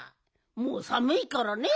もうさむいからね。